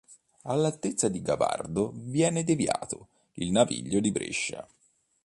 All'altezza di Gavardo viene derivato il Naviglio di Brescia.